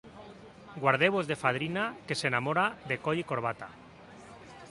Guardeu-vos de fadrina que s'enamora de coll i corbata.